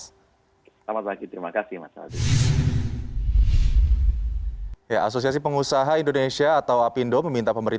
selamat pagi terima kasih mas aldindo